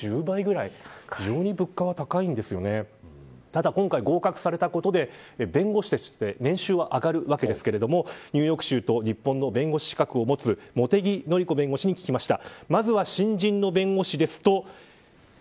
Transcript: ただ今回、合格されたことで弁護士として年収は上がるわけですがニューヨーク州と日本の弁護士資格を持つ茂木紀子弁護士に聞きました。